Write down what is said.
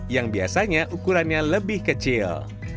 yang biasanya ukurannya lebih kecil